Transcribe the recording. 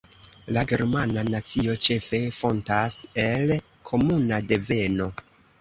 La germana nacio ĉefe fontas el komuna deveno.